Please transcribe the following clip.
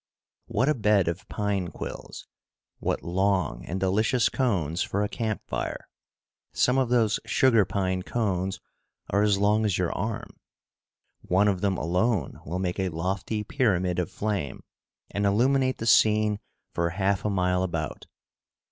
What a bed of pine quills! What long and delicious cones for a camp fire! Some of those sugar pine cones are as long as your arm. One of them alone will make a lofty pyramid of flame and illuminate the scene for half a mile about.